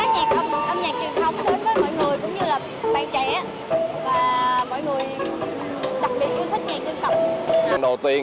nhạc âm nhạc truyền thống đến với mọi người cũng như là bạn trẻ và mọi người đặc biệt yêu thích nhạc truyền thống